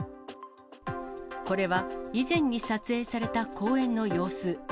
これは以前に撮影された公園の様子。